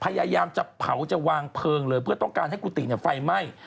พยายามจะเผาจะวางเพลิงเลยเพื่อต้องการให้กุฏิไฟไหม้